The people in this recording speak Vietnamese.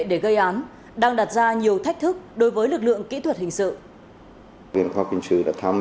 để gây án đang đặt ra nhiều thách thức đối với lực lượng kỹ thuật hình sự